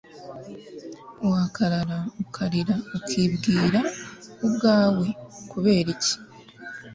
wakarara ukarira ukibwira ubwawe, kubera iki